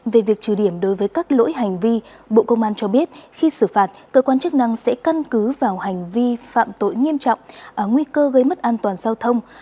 về việc trừ điểm đối với các lỗi hành vi bộ công an cho biết khi xử phạt cơ quan chức năng sẽ căn cứ vào hành vi phạm tội nghiêm trọng nguy cơ gây mất an toàn giao thông